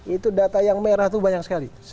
itu data yang merah itu banyak sekali